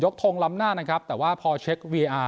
ยกทงล้ำหน้านะครับแต่ว่ารหลุดผู้ถึงรองการ